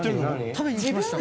食べに行きました。